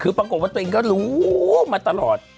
คือปรากฏว่าตัวเองก็รู้มาตลอด